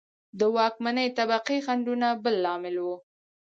د واکمنې طبقې خنډونه بل لامل و.